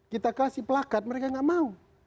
kita kasih pelakat mereka nggak mau